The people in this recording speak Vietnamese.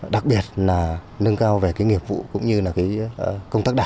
đặc biệt là nâng cao về nghiệp vụ cũng như công tác đảng